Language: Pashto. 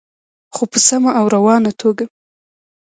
خو په سمه او روانه توګه.